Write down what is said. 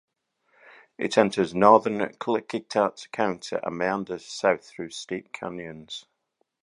It enters northern Klickitat County, and meanders south through steep canyons.